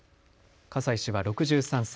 笠井氏は６３歳。